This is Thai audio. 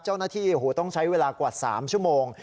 เจ้าหน้าที่ต้องใช้เวลากว่า๓ชั่วโมง